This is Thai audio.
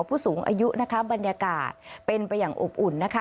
ผู้สูงอายุนะคะบรรยากาศเป็นไปอย่างอบอุ่นนะคะ